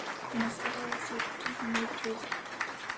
The musket ball was surgically removed through his back.